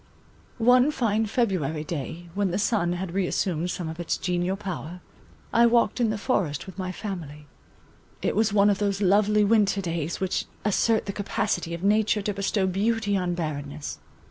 One fine February day, when the sun had reassumed some of its genial power, I walked in the forest with my family. It was one of those lovely winter days which assert the capacity of nature to bestow beauty on barrenness.